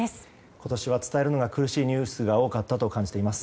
今年は伝えるのが苦しいニュースが多かったと感じています。